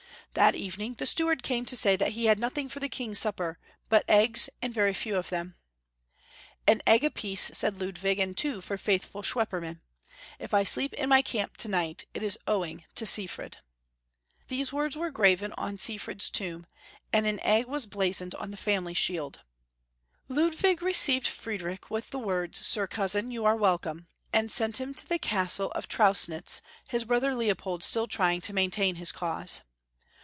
That evening the steward came to say that he had nothing for the King's supper but eggs, and very few of them. "An egg a pieee," said Lud wig, "and two for faithful Schwep perman. If I sleep in my camp to night, it is owing toSifred!" These words were graven on Sifred's tomb, and an egg was blazoned on the family shield. HHiNHita m. Ludwig received Friedrich with the words, " Sir cousin, you are welcome," and sent him to the Castle of Trausnitz, his brother Leopold still trying to maintain his cause.